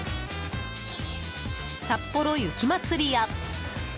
さっぽろ雪まつりや。